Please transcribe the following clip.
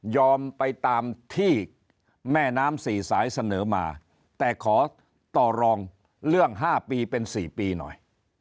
ไปตามที่แม่น้ำสี่สายเสนอมาแต่ขอต่อรองเรื่อง๕ปีเป็น๔ปีหน่อย